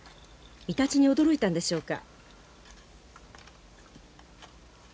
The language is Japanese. イタチに驚いたんでしょうか？